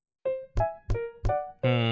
うん。